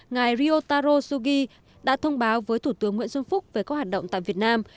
ngài riotaro sugi đã thông báo với thủ tướng nguyễn xuân phúc về các hoạt động tại việt nam